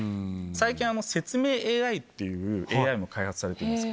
最近。っていうＡＩも開発されてます。